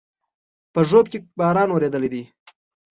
په ژوب کې باران اورېدلى دی